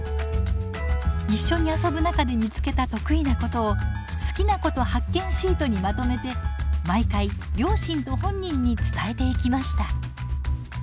一緒に遊ぶ中で見つけた得意なことを「好きなこと発見シート」にまとめて毎回両親と本人に伝えていきました。